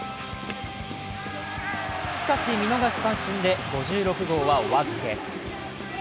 しかし、見逃し三振で５６号はお預け。